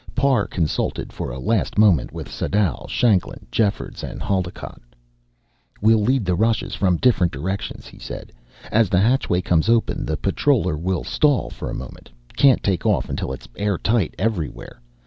Parr consulted for a last moment with Sadau, Shanklin, Jeffords and Haldocott. "We'll lead rushes from different directions," he said. "As the hatchway comes open, the patroller will stall for the moment can't take off until it's airtight everywhere.